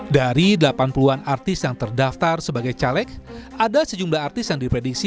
dari delapan puluh an artis yang terdaftar sebagai caleg ada sejumlah artis yang diprediksi